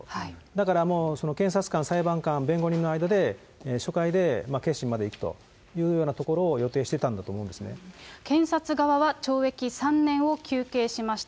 だからもう、検察官、裁判官、弁護人の間で初回で結審までいくというようなところを予定してた検察側は懲役３年を求刑しました。